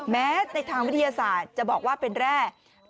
แม้ในทางวิทยาศาสตร์จะบอกว่าเป็นแร่